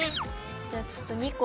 じゃあちょっと２個。